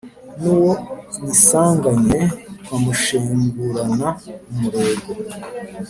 N’ uwo nyisanganye nkamushengurana umurego